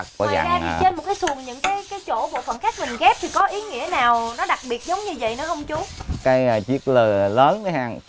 mà trên một cái xuồng những cái chỗ bộ phận khác mình gáp thì có ý nghĩa nào nó đặc biệt giống như vậy nữa không chú